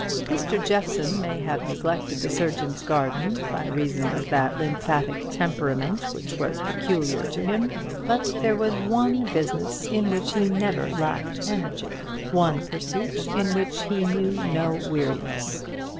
Mr. Jeffson may have neglected the surgeon's garden, by reason of that lymphatic temperament which was peculiar to him; but there was one business in which he never lacked energy, one pursuit in which he knew no weariness.